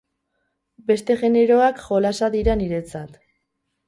Beste generoak jolasa dira niretzat.